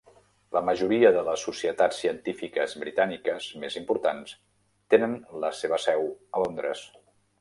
La majoria de les societats científiques britàniques més importants tenen la seva seu a Londres.